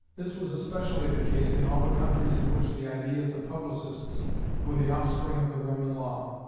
This was especially the case in all the countries in which the ideas of publicists were the offspring of the Roman Law.